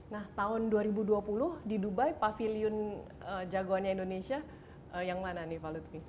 nah tahun dua ribu dua puluh di dubai pavilion jagoannya indonesia yang mana nih pak lutfi